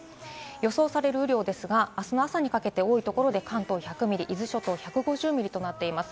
予想される雨量ですが、あすの朝の多いところで関東１００ミリ、伊豆諸島１５０ミリとなっています。